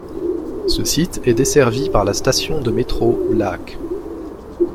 Ce site est desservi par la station de métro Blaak.